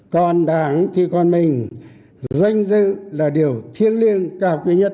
còn đảng thì còn mình danh dự là điều thiêng liêng cao quý nhất